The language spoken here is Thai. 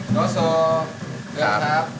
สวัสดีครับ